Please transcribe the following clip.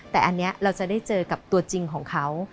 แต่อันนี้เราจะได้เจอกับตัวจริงของเขา